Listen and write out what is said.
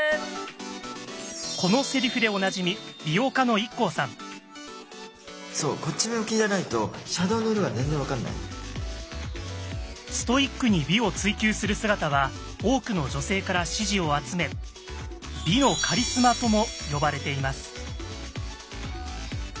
このセリフでおなじみストイックに美を追求する姿は多くの女性から支持を集め「美のカリスマ」とも呼ばれています。